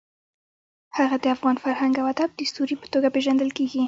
هغه د افغان فرهنګ او ادب د ستوري په توګه پېژندل کېږي.